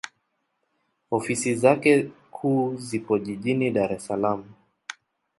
Ofisi zake kuu zipo Jijini Dar es Salaam.